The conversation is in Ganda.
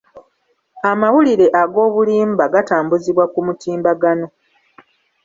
Amawulire ag’obulimba gatambuzibwa ku mutimbagano